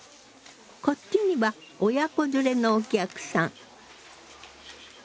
こっちには親子連れのお客さん。